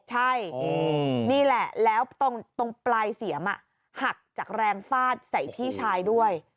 ใช่นี่แหละแล้วตรงปลายเสียมหักจากแรงฟาดใส่พี่ชายด้วย